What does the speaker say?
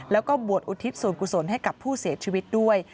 แล้วก็บวชอุทิศส่วนกุศลให้กับผู้เสียชีวิตด้วย